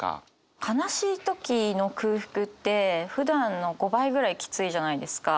悲しい時の空腹ってふだんの５倍ぐらいキツいじゃないですか。